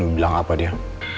belang apa dia